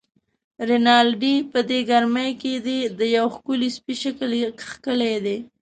رینالډي: په دې ګرمۍ کې دې د یوه ښکلي سپي شکل کښلی دی.